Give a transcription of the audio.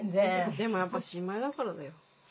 でもやっぱ新米だからだよ。